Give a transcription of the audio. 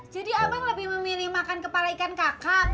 jadi abang lebih memilih makan kepala ikan kakak